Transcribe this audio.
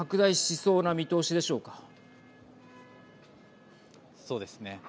そうですね。